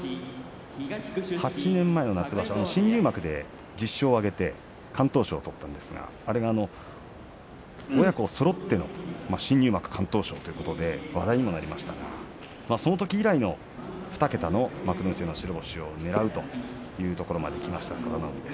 ８年前の夏場所、新入幕で敢闘賞を取ったんですが親子そろっての新入幕敢闘賞ということで話題にもなりましたがそのとき以来の２桁の幕内の白星をねらうというところまできました、佐田の海。